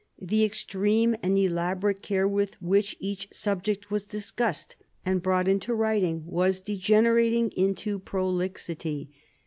The extreme and elaborate care with which each subject was discussed and brought into writing was degenerat ing into prolixity.